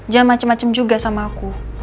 jangan macem macem juga sama aku